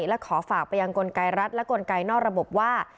และขอฝากไปยังกลไกรัฐและกลไกนอกระบบว่า